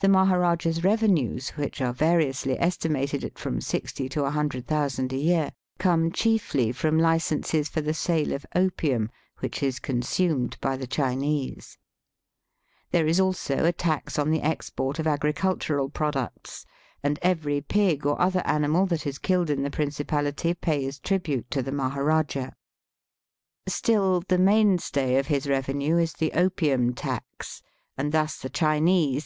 The Maharajah's revenues, which are variously estimated at from sixty to a hundred thousand a year, come chiefly from licences for the sale of opium, which is consumed by the Chinese* There is also a tax on the export of agricul tural products, and every pig or other animal that is killed in the principality pays tribute to the Maharajah. Still the mainstay of his revenue is the opium tax, and thus the Chinese Digitized by VjOOQIC m THE TROPICS.